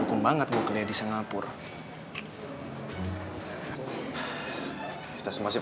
johan jam lagi hari ya